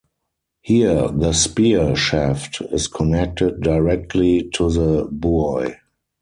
Here the spear shaft is connected directly to the buoy.